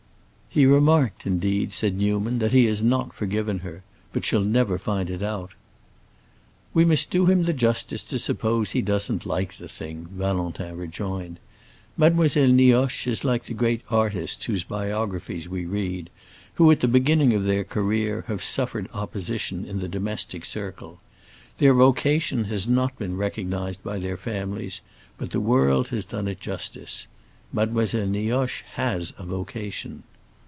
"He remarked, indeed," said Newman, "that he has not forgiven her. But she'll never find it out." "We must do him the justice to suppose he doesn't like the thing," Valentin rejoined. "Mademoiselle Nioche is like the great artists whose biographies we read, who at the beginning of their career have suffered opposition in the domestic circle. Their vocation has not been recognized by their families, but the world has done it justice. Mademoiselle Nioche has a vocation."